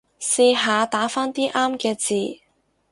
試下打返啲啱嘅字